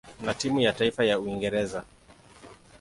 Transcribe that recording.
na timu ya taifa ya Uingereza.